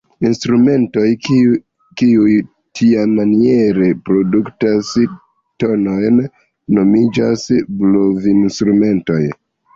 Instrumentoj, kiuj tiamaniere produktas tonojn, nomiĝas blovinstrumentoj.